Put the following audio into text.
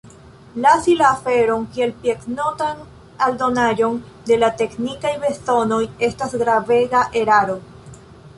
Lasi la aferon kiel piednotan aldonaĵon de la teknikaj bezonoj estas gravega eraro.